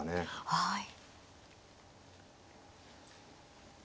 はい。